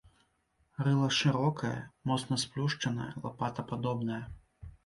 Рыла шырокае, моцна сплюшчанае, лапатападобнае.